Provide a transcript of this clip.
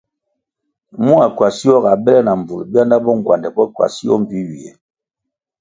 Mua ckywasio ga bèle na mbvul bianda bo ngwandè bo ckywasio mbpi ywie.